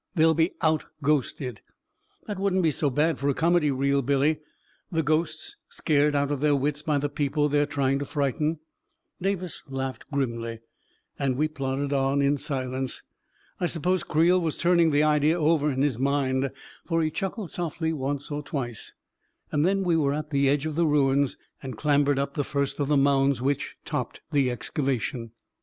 They'll be out ghosted I That wouldn't be so bad for a comedy reel, Billy — the ghosts scared out of their wits by the people they are trying to frighten I " Davis laughed grimly; and we plodded on in silence. I suppose Creel was turning the idea over in his mind, for he chuckled softly once or twice. And then we were at the edge of the ruins, and clambered up the first of the mounds which topped the excavation.